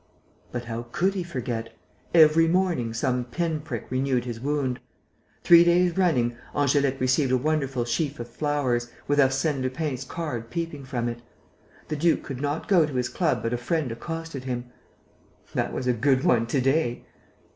But how could he forget it? Every morning, some pin prick renewed his wound. Three days running, Angélique received a wonderful sheaf of flowers, with Arsène Lupin's card peeping from it. The duke could not go to his club but a friend accosted him: "That was a good one to day!"